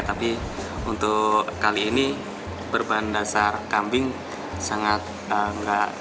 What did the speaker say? tapi untuk kali ini berbahan dasar kambing sangat enggak